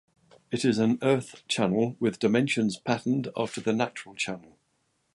It is an earth channel with dimensions patterned after the natural channel.